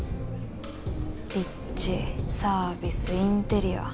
立地サービスインテリア